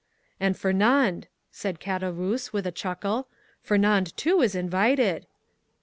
"And Fernand," said Caderousse with a chuckle; "Fernand, too, is invited!"